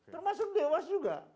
termasuk dewas juga